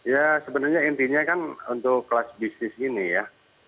ya sebenarnya intinya kan untuk kelas bisnis ini ya